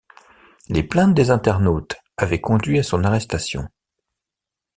Les plaintes des internautes avaient conduit à son arrestation.